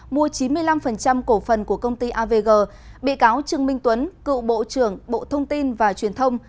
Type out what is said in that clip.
mua chín mươi năm cổ phần của công ty avg bị cáo trương minh tuấn cựu bộ trưởng bộ thông tin và truyền thông